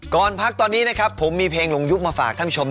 ก่อนพักตอนนี้นะครับผมมีเพลงหลงยุคมาฝากท่านผู้ชม